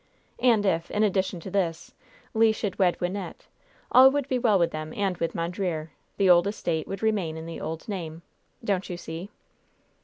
And if, in addition to this, Le should wed Wynnette, all would be well with them and with Mondreer; the old estate would remain in the old name. Don't you see?"